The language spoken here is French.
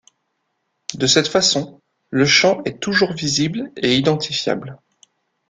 De cette façon, le champ est toujours visible et identifiable.